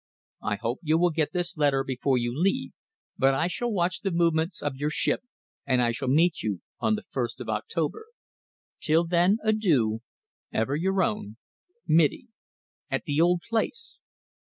I hope you will get this letter before you leave, but I shall watch the movements of your ship, and I shall meet you on the first of October. Till then adieu. Ever your own MITTIE." At the old place!